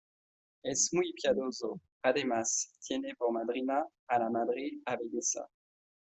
es muy piadoso... además tiene por madrina a la Madre Abadesa .